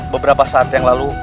beberapa saat yang lalu